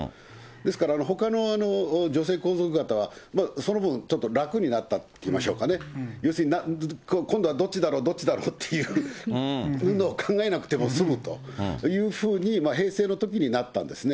ですからほかの女性皇族方は、その分、ちょっと楽になったといいましょうかね、要するに、今度はどっちだろう、どっちだろうというのを考えなくても済むというふうに、平成のときになったんですね。